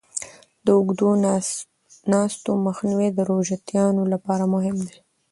د اوږدو ناستو مخنیوی د روژهتیانو لپاره مهم دی.